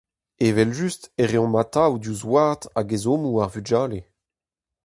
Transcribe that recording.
Evel-just e reomp atav diouzh oad hag ezhommoù ar vugale.